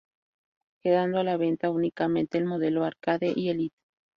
Quedando a la venta únicamente el modelo Arcade y Elite.